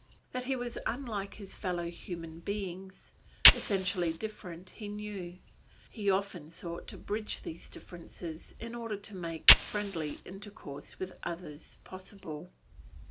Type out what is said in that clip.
That he was unlike his fellow human beings essentially different he knew. He often sought to bridge these differences, in order to make friendly intercourse with others possible.